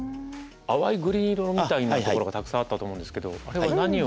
淡いグリーン色みたいな所がたくさんあったと思うんですけどあれは何を？